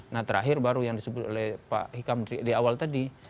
nah terakhir baru yang disebut oleh pak hikam di awal tadi